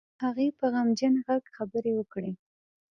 هغې په غمجن غږ خبرې وکړې.